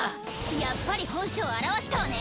やっぱり本性を現したわね！